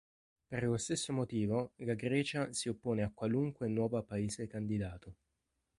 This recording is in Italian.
Per lo stesso motivo la Grecia si oppone a qualunque nuova paese candidato.